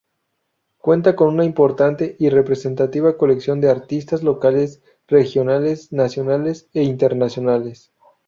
Cuenta con una importante y representativa colección de artistas locales, regionales, nacionales e internacionales.